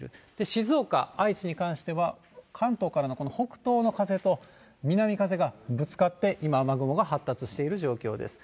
静岡、愛知に関しては、関東からのこの北東の風と南風がぶつかって、今雨雲が発達している状況です。